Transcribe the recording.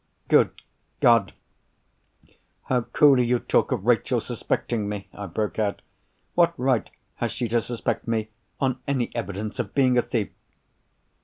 "Good God, how coolly you talk of Rachel suspecting me!" I broke out. "What right has she to suspect Me, on any evidence, of being a thief?"